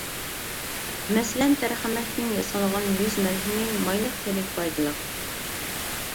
مەسىلەن، تەرخەمەكتىن ياسالغان يۈز مەلھىمى مايلىق تېرىگە پايدىلىق.